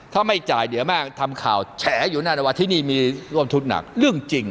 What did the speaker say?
ถ้าไม่จ่ายเดี๋ยวแม่ทำข่าวแฉอยู่นั่นว่าที่นี่มีร่วมทุนหนักเรื่องจริง